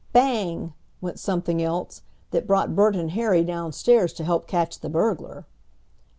Bang! went something else, that brought Bert and Harry downstairs to help catch the burglar.